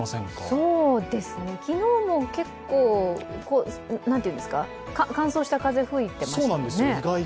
そうですね、昨日も結構、乾燥した風が吹いてましたね。